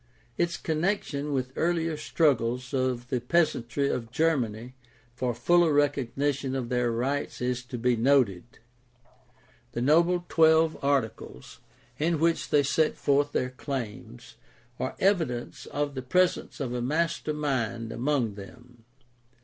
Its connection with earlier struggles of the peasantry of Germany for fuller recognition of their rights is to be noted. The noble Twelve Articles, in which they set forth their claims, are evidence of the presence of a master mind among them.